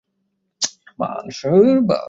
শক্ত হয়ে বসো, ঠিক আছে?